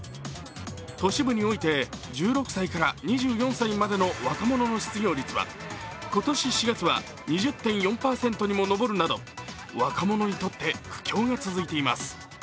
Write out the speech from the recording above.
都市部において１６歳から２４歳までの若者の失業率は今年４月は２０．４％にも上るなど若者にとって苦境が続きます。